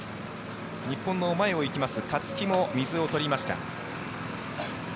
日本の前を行きます勝木も水を取りました。